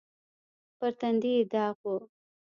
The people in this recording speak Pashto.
پر تندي يې داغ و.